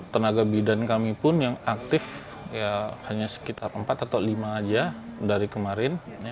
tenaga bidan kami pun yang aktif hanya sekitar empat atau lima aja dari kemarin